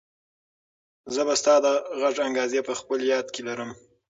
زه به ستا د غږ انګازې په خپل یاد کې لرم.